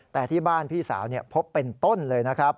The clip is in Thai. แต่ที่บ้านพี่สาวพบเป็นต้นเลยนะครับ